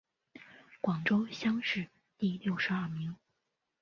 广东乡试第六十二名。